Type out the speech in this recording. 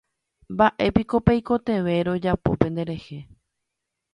Mba'éiko peikotevẽ rojapo penderehe.